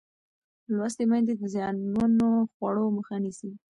لوستې میندې د زیانمنو خوړو مخه نیسي.